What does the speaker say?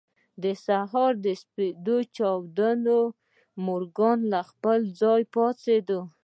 د سهار سپېدې چې وچاودېدې مورګان له خپل ځايه پاڅېد.